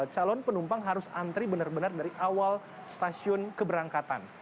calon penumpang harus antri benar benar dari awal stasiun keberangkatan